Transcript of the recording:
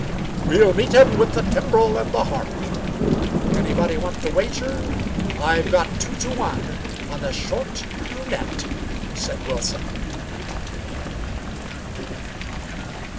"We'll meet him with the timbrel and the harp. Anybody want to wager? I've got two to one on a short brunette," said Wilson.